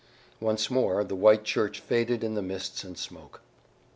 Once more the white church faded in the mists and smoke.